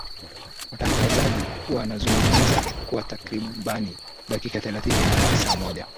watangazaji wanazungumza kwa takribani dakika thelathi hadi saa moja